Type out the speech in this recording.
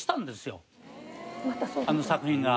あの作品が。